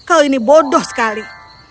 kau ini bodoh sekali